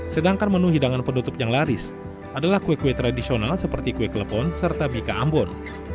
sedangkan menu hidangan penutup yang laris adalah kue kue tradisional seperti kue kelepon serta bika ambon